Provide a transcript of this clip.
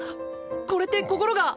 これって心が。